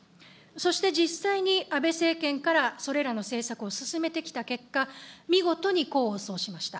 そして、実際に安倍政権からそれらの政策を進めてきた結果、見事に功を奏しました。